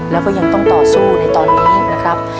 แล้วก็ยังต้องต่อสู้ในตอนนี้นะครับ